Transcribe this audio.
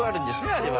あれは。